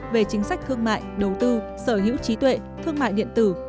về chính sách thương mại đầu tư sở hữu trí tuệ thương mại điện tử